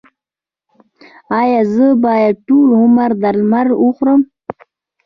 ایا زه باید ټول عمر درمل وخورم؟